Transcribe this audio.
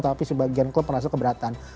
tapi sebagian klub merasa keberatan